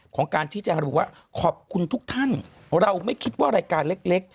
ของการชี้แจงระบุว่าขอบคุณทุกท่านเราไม่คิดว่ารายการเล็ก